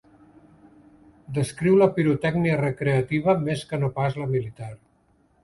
Descriu la pirotècnia recreativa més que no pas la militar.